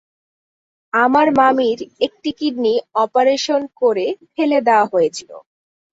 আমার মামির একটি কিডনি অপারেশন করে ফেলে দেওয়া হয়েছিলো।